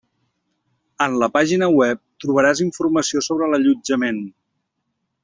En la pàgina web trobaràs informació sobre l'allotjament.